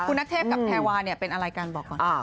คุณนัทเทพกับแทวาเป็นอะไรกันบอกก่อน